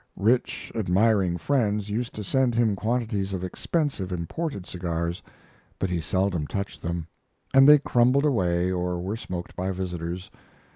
Rich, admiring friends used to send him quantities of expensive imported cigars; but he seldom touched them, and they crumbled away or were smoked by visitors.